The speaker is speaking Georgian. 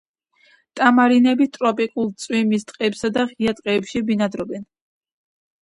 ტამარინები ტროპიკულ წვიმის ტყეებსა და ღია ტყეებში ბინადრობენ.